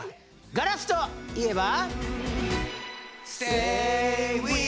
ガラスといえば？